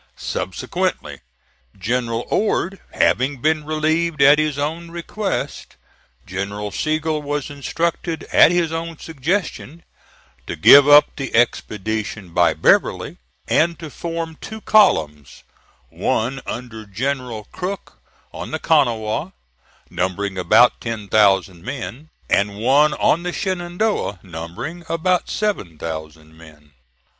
Subsequently, General Ord having been relieved at his own request, General Sigel was instructed at his own suggestion, to give up the expedition by Beverly, and to form two columns, one under General Crook, on the Kanawha, numbering about ten thousand men, and one on the Shenandoah, numbering about seven thousand men.